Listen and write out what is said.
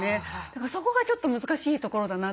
だからそこがちょっと難しいところだなって。